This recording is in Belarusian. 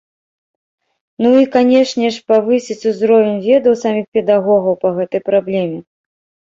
Ну і, канечне ж, павысіць узровень ведаў саміх педагогаў па гэтай праблеме.